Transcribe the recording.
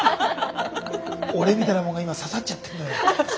俺みたいなもんが今刺さっちゃってんのよ。